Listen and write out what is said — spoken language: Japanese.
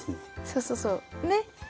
そうそうそう。ね。